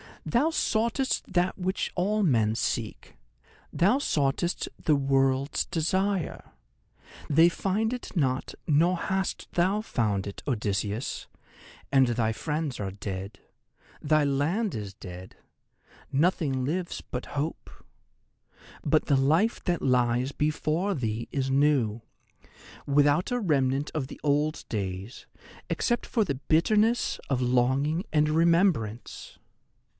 Thou soughtest that which all men seek—thou soughtest The World's Desire. They find it not, nor hast thou found it, Odysseus; and thy friends are dead; thy land is dead; nothing lives but Hope. But the life that lies before thee is new, without a remnant of the old days, except for the bitterness of longing and remembrance.